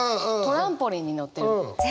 トランポリンに乗ってる。